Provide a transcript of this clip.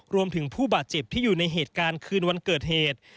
รวมถึงผู้บาดเจ็บที่อยู่ในเหตุการณ์คืนวันเกิดเหตุ